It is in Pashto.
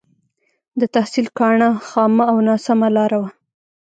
د تحصيل کاڼه خامه او ناسمه لاره وه.